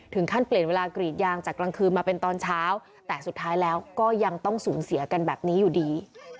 ท่านเปลี่ยนเวลากรีดยางจากกลางคืนมาเป็นตอนเช้าแต่สุดท้ายแล้วก็ยังต้องสูญเสียกันแบบนี้อยู่ดี